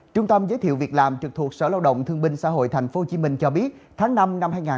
trung tâm giới thiệu việc làm trực thuộc sở lao động thương binh xã hội tp hcm cho biết tháng năm năm hai nghìn hai mươi ba